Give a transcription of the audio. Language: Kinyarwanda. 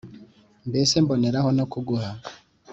mbese mbonereho no kuguha